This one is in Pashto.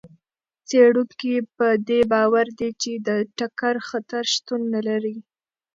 څېړونکي په دې باور دي چې د ټکر خطر شتون نه لري.